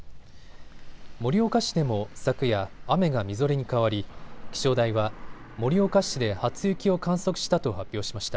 盛岡市でも昨夜、雨がみぞれに変わり気象台は盛岡市で初雪を観測したと発表しました。